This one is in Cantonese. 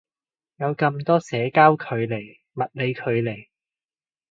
有咁多社交距離物理距離